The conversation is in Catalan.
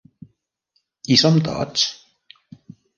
Hi som tots?